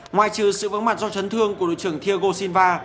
ngoài trừ sự vững mặt do chấn thương của đội trưởng thiago silva